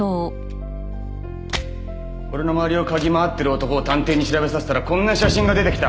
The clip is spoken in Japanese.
俺の周りを嗅ぎ回ってる男を探偵に調べさせたらこんな写真が出てきた。